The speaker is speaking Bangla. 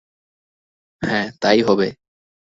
হাঁ, তাই হবে।